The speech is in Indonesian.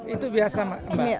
itu biasa mbak